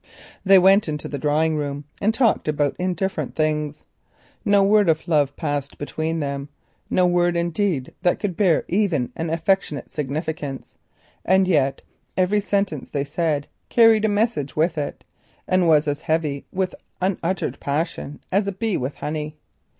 They went into the drawing room and talked about indifferent things. No word of love passed between them; no word, even, that could bear an affectionate significance, and yet every sentence which passed their lips carried a message with it, and was as heavy with unuttered tenderness as a laden bee with honey.